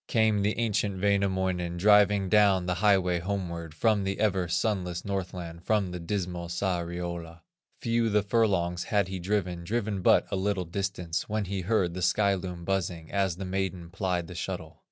Came the ancient Wainamoinen, Driving down the highway homeward, From the ever sunless Northland, From the dismal Sariola; Few the furlongs he had driven, Driven but a little distance, When he heard the sky loom buzzing, As the maiden plied the shuttle.